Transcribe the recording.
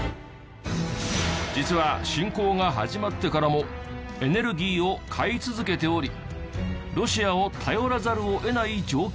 実は侵攻が始まってからもエネルギーを買い続けておりロシアを頼らざるを得ない状況だった！？